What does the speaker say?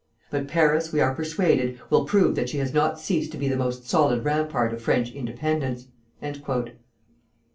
But Paris, we are persuaded, will prove that she has not ceased to be the most solid rampart of French independence."